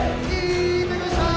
いただきました！